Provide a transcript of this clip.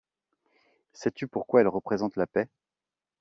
Sais-tu pourquoi elle représente la paix ?